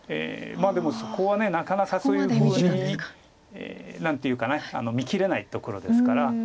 でもそこはなかなかそういうふうに何ていうか見きれないところですから。